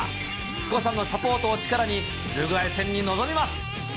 貴子さんのサポートを力に、ウルグアイ戦に臨みます。